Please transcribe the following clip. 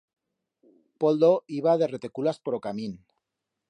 Poldo iba de reteculas por o camín.